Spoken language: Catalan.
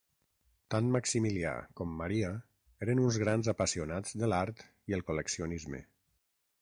Tant Maximilià com Maria eren uns grans apassionats de l'art i el col·leccionisme.